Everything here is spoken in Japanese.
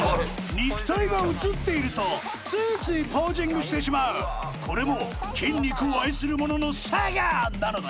肉体が映っているとついついポージングしてしまうこれも筋肉を愛する者のさがなのだよ